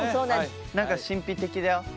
何か神秘的だよ。